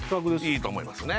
いいと思いますね